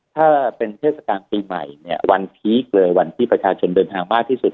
ถ้าเป็นเทศกาลปีใหม่